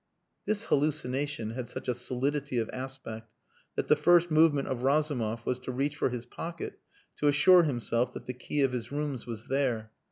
This hallucination had such a solidity of aspect that the first movement of Razumov was to reach for his pocket to assure himself that the key of his rooms was there.